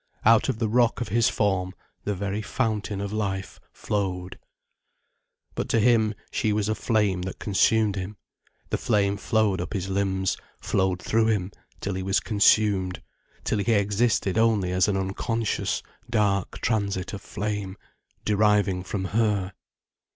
Out of the rock of his form the very fountain of life flowed. But to him, she was a flame that consumed him. The flame flowed up his limbs, flowed through him, till he was consumed, till he existed only as an unconscious, dark transit of flame, deriving from her.